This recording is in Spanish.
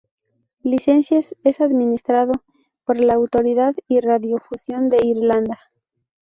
Licencias es administrado por la Autoridad de Radiodifusión de Irlanda.